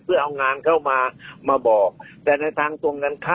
เพื่อเอางานเข้ามาบอก